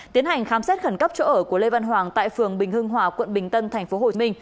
tiến hành khám xét khẩn cấp chỗ ở của lê văn hoàng tại phường bình hưng hòa quận bình tân tp hcm